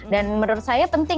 dan menurut saya penting